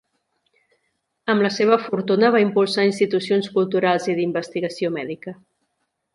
Amb la seva fortuna va impulsar institucions culturals i d'investigació mèdica.